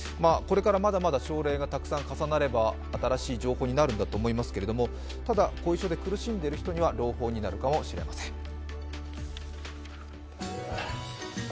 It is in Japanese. これからまだまだ症例がたくさん重なれば新しい情報になるんだろうと思いますが、ただ、後遺症で苦しんでいる人には朗報になるかもしれません。